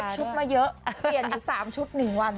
ชุดมาเยอะเปลี่ยนอยู่๓ชุด๑วัน